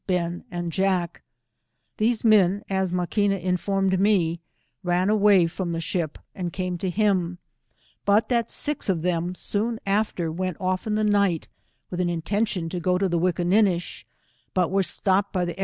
Ben and Jack These men. as Maquina informed me, ran away from the Hi ship, and came to hira, but that six of theni s&ou after went off in the ni^ht, with an intention to j^o to the Wickinninish, but were stopped by the E?